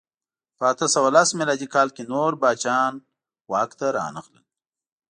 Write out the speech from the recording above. په اته سوه لس میلادي کال کې نور پاچاهان واک ته رانغلل.